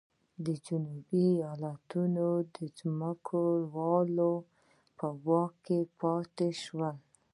د جنوبي ایالتونو ځمکوالو په واک کې پاتې شول.